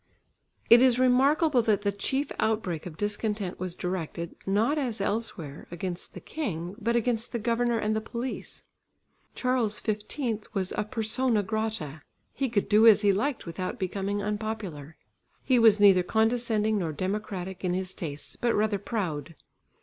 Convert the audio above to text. It is remarkable that the chief outbreak of discontent was directed, not as elsewhere against the King, but against the governor and the police. Charles XV was a persona grata; he could do as he liked without becoming unpopular. He was neither condescending nor democratic in his tastes, but rather proud.